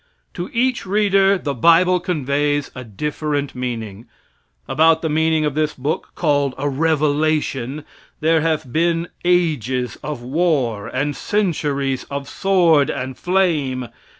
To each reader the bible conveys a different meaning. About the meaning of this book, called a revelation, there have been ages of war and centuries of sword and flame.